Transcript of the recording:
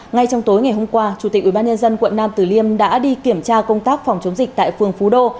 ngay trong tối ngày hôm qua chủ tịch ubnd quận nam tử liêm đã đi kiểm tra công tác phòng chống dịch tại phường phú đô